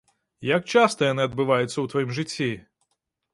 Як часта яны адбываюцца ў тваім жыцці?